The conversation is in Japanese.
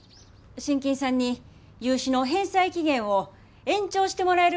信金さんに融資の返済期限を延長してもらえることになりました。